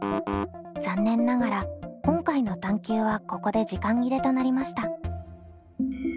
残念ながら今回の探究はここで時間切れとなりました。